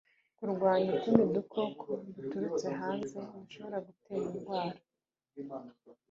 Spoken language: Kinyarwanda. kurwanya utundi dukoko duturutse hanze dushobora gutera indwara